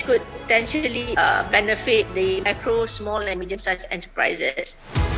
yang bisa memanfaatkan perusahaan kecil dan kecil